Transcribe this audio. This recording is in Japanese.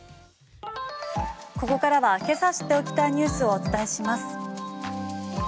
ここからはけさ知っておきたいニュースをお伝えします。